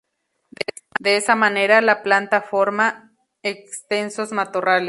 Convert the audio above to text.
De esta manera, la planta forma extensos matorrales.